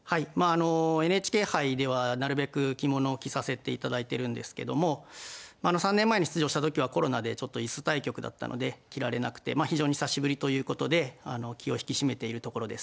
あのＮＨＫ杯ではなるべく着物を着させていただいてるんですけども３年前に出場した時はコロナで椅子対局だったので着られなくて非常に久しぶりということで気を引き締めているところです。